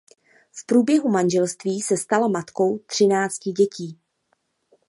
V průběhu manželství se stala matkou třinácti dětí.